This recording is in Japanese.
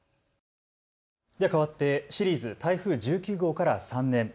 かわってシリーズ台風１９号から３年。